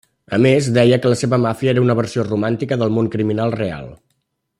A més deia que la seva màfia era una versió romàntica del món criminal real.